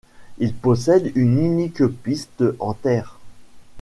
Il possède une unique piste en terre.